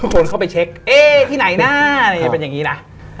คนเข้าไปเช็คเอ๊ที่ไหนน่าเป็นอย่างนี้นะ